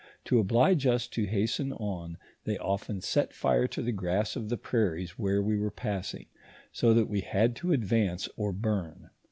To oblige us to hasten on, they often set fire to the grass of the prairies where we were passing, so that we had to advance or burn.